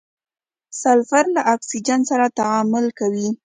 سلفر له اکسیجن سره تعامل کوي.